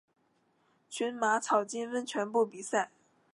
群马草津温泉部比赛。